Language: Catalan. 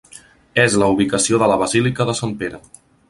És la ubicació de la basílica de Sant Pere.